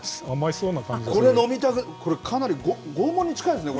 これ、飲みたい、これ、かなり拷問に近いですね。